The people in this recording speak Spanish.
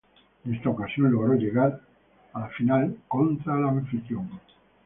En esta ocasión, logró llegar a la final, contra la anfitrión.